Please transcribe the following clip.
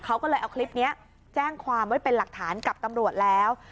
เขาก็เลยเอาคลิปนี้แจ้งความไว้เป็นหลักฐานกับตำรวจแล้ว